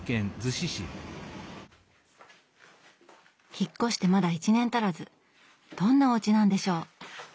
引っ越してまだ１年足らずどんなおうちなんでしょう。